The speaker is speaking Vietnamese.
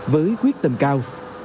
với quyết tâm cao